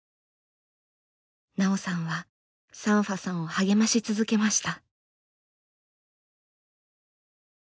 奈緒さんはサンファさんを励まし続けました。